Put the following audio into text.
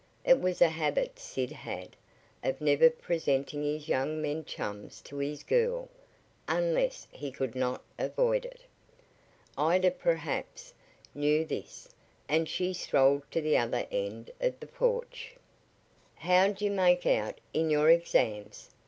It was a habit Sid had, of never presenting his young men chums to his "girl," unless he could not avoid it. Ida, perhaps, knew this, and she strolled to the other end of the porch. "How'd you make out in your exams?"